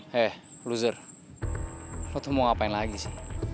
hey loser lo tuh mau ngapain lagi sih